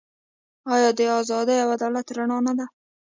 آیا د ازادۍ او عدالت رڼا نه ده؟